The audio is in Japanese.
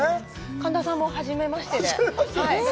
神田さんも初めましてで。